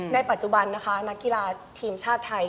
ในปัจจุบันนะคะนักกีฬาทีมชาติไทย